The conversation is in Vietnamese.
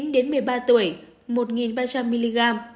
chín đến một mươi ba tuổi một nghìn ba trăm linh mg